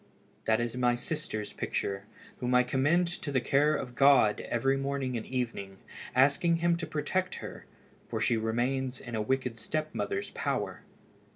That is my sister's picture, whom I commend to the care of God every morning and evening, asking Him to protect her, for she remains in a wicked step mother's power."